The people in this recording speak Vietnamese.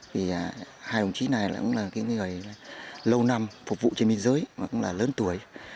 vì hai đồng chí này cũng là người lâu năm phục vụ trên biên giới cũng là lớn tuổi